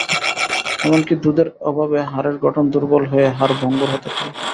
এমনকি দুধের অভাবে হাড়ের গঠন দুর্বল হয়ে হাড় ভঙ্গুর হতে পারে।